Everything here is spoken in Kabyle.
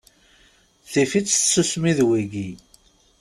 Tifi-tt tsusmi d wigi.